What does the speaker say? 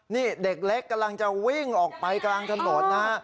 นี่เด็กเล็กกำลังจะวิ่งออกไปกลางถนนนะฮะ